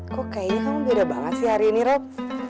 kok kayaknya kamu beda banget sih hari ini rob